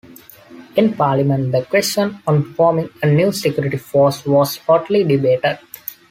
In parliament the question on forming a new security force was hotly debated.